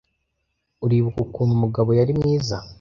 Uribuka ukuntu Mugabo yari mwiza